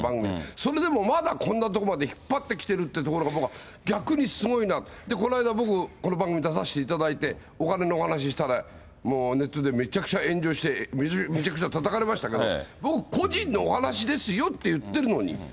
それでもまだこんなとこまで引っ張ってきているというところが逆にすごいな、この間、僕、この番組に出させていただいて、お金のお話したら、もうネットでめちゃくちゃ炎上して、めちゃくちゃたたかれましたけど、僕、個人のお話ですよって言ってるのに。